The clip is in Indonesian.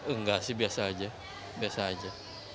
enggak sih biasa saja